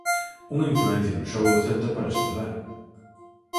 Unha influencia no xogo do Celta para estudar.